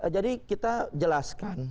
jadi kita jelaskan